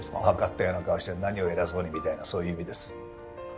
分かったような顔して何を偉そうにみたいなそういう意味です。